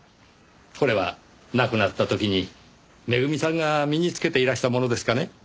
これは亡くなった時にめぐみさんが身につけていらしたものですかね？